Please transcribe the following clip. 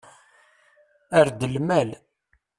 Err-d lmal.